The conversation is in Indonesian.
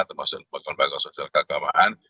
termasuk lembaga lembaga sosial keagamaan